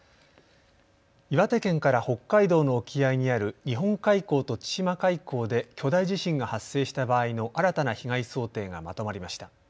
岩手県から北海道の沖合にある日本海溝と千島海溝で巨大地震が発生した場合の新たな被害想定がまとまりました。